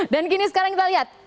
dan gini sekarang kita lihat